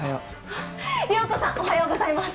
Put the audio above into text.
あっ涼子さんおはようございます。